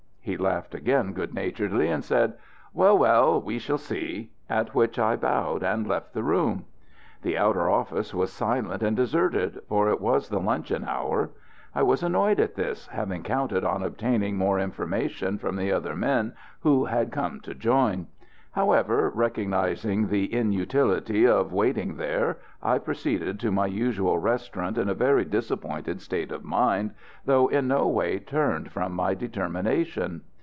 He laughed again good naturedly, and said: "Well, well, we shall see;" at which I bowed and left the room. The outer office was silent and deserted, for it was the luncheon hour. I was annoyed at this, having counted on obtaining more information from the other men who had come to join. However, recognising the inutility of waiting there, I proceeded to my usual restaurant in a very disappointed state of mind, though in no way turned from my determination.